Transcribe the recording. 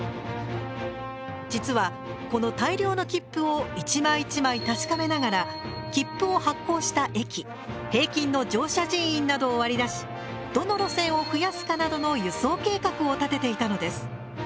実はこの大量の切符を１枚１枚確かめながら切符を発行した駅平均の乗車人員などを割り出しどの路線を増やすかなどの輸送計画を立てていたのです。